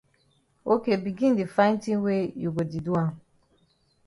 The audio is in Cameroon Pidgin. Ok begin di find tin wey you go di do am.